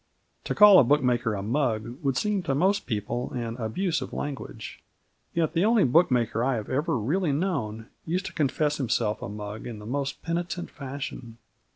To call a bookmaker a mug would seem to most people an abuse of language. Yet the only bookmaker I have ever really known used to confess himself a mug in the most penitent fashion.